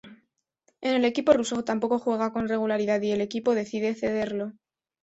En el equipo ruso tampoco juega con regularidad y el equipo decide cederlo.